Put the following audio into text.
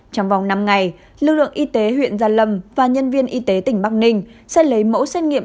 trong vòng năm ngày lực lượng y tế huyện gia lâm và nhân viên y tế tỉnh bắc ninh sẽ lấy mẫu xét nghiệm